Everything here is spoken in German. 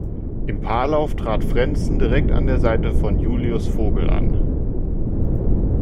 Im Paarlauf trat Frenssen an der Seite von Julius Vogel an.